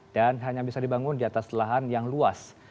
dan hanya bisa dibangun di atas lahan yang luas